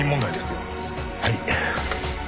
はい。